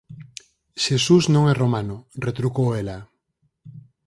Xesús non é romano −retrucou ela−.